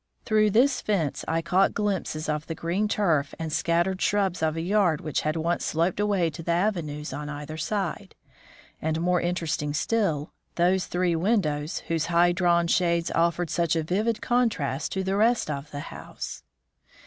Through this fence I caught glimpses of the green turf and scattered shrubs of a yard which had once sloped away to the avenues on either side, and, more interesting still, those three windows whose high drawn shades offered such a vivid contrast to the rest of the house.